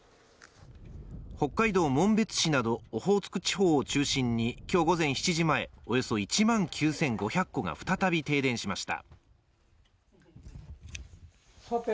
北海道紋別市などオホーツク地方を中心に今日午前７時前、およそ１万９５００戸が再び停電しました。